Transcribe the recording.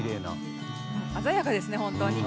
鮮やかですね、本当に。